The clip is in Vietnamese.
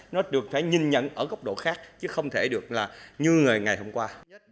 nó được phải nhìn nhận ở góc độ khác chứ không thể được là như ngày hôm qua